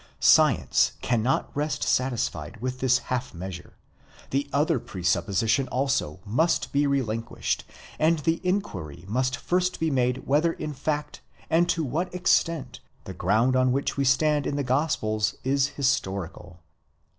Science cannot rest satisfied wiih this half measure : the other presupposition also must be relinquished, and: the inquiry must first be made whether in fact, and to what extent, the ground on which we stand in the gospels is historical.